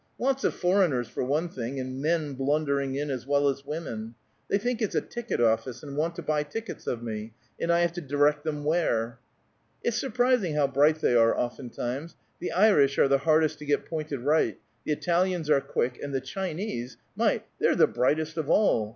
Lots of foreigners, for one thing, and men blundering in, as well as women. They think it's a ticket office, and want to buy tickets of me, and I have to direct 'em where. It's surprising how bright they are, oftentimes. The Irish are the hardest to get pointed right; the Italians are quick; and the Chinese! My, they're the brightest of all.